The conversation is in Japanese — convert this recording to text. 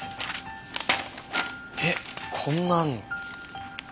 えっこんなあるの？